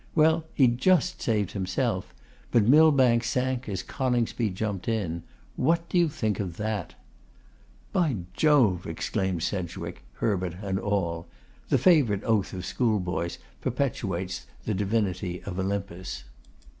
Well, he just saved himself; but Millbank sank as Coningsby jumped in. What do you think of that?' 'By Jove!' exclaimed Sedgwick, Herbert, and all. The favourite oath of schoolboys perpetuates the divinity of Olympus.